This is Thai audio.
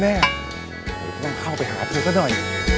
เดี๋ยวก็ต้องเข้าไปหาเธอซักหน่อย